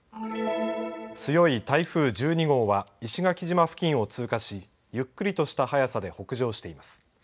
強い台風１２号は石垣島付近を通過し、ゆっくりとした速さで北上しています。